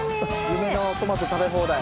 夢のトマト食べ放題。